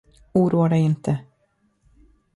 Oroa dig inte!